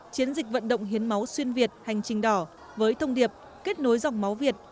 chiến dịch vận động hiến máu xuyên việt hành trình đỏ với thông điệp kết nối dòng máu việt